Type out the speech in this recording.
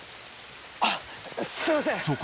あっすいません！